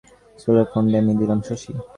হাসপাতাল ফন্ডে আমি দিলাম শশী।